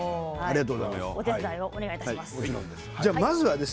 お手伝いをお願いします。